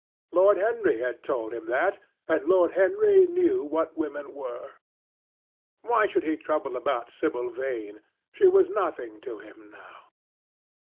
Lord Henry had told him that, and Lord Henry knew what women were. Why should he trouble about Sibyl Vane? She was nothing to him now.